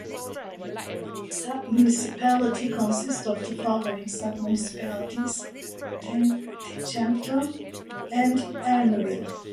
The municipality consists of the following sub-municipalities: Tenneville proper, Champlon, and Erneuville.